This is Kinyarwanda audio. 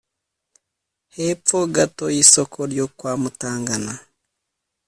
’ hepfo gato y’isoko ryo kwa Mutangana